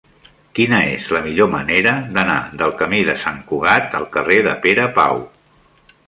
Quina és la millor manera d'anar del camí de Sant Cugat al carrer de Pere Pau?